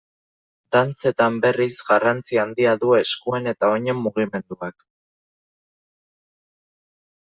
Dantzetan, berriz, garrantzi handia du eskuen eta oinen mugimenduak.